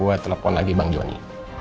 gue telepon lagi bang joni